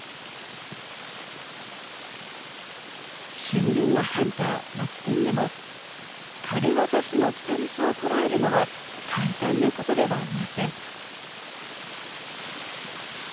俊敏なハンターマツテンでも軽業師のキタリスをとらえるのは簡単なことではありません。